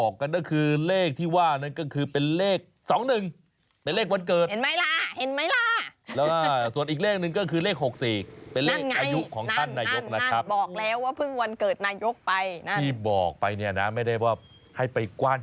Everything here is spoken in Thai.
ขายหมดขายเกลี้ยงเลยทีเดียว